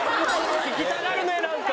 聞きたがるねなんか。